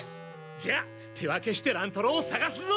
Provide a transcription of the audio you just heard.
じゃ手分けして乱太郎をさがすぞ！